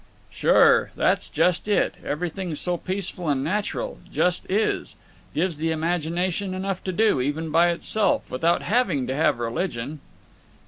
"Sure! That's just it. Everything's so peaceful and natural. Just is. Gives the imagination enough to do, even by itself, without having to have religion."